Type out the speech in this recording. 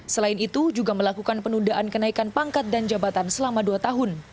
selain itu juga melakukan penundaan kenaikan pangkat dan jabatan selama dua tahun